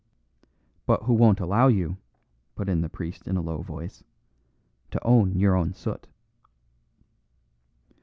"But who won't allow you," put in the priest in a low voice, "to own your own soot."